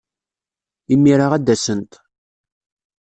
Imir-a ad d-asent.